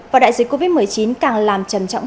và đại dịch covid một mươi chín càng làm trầm trọng